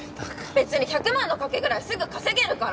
べつに１００万の掛けぐらいすぐ稼げるから。